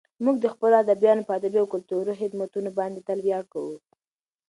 موږ د خپلو ادیبانو په ادبي او کلتوري خدمتونو باندې تل ویاړ کوو.